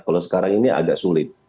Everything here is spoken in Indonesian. kalau sekarang ini agak sulit